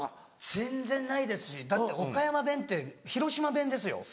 全然ないですしだって岡山弁って広島弁ですよ。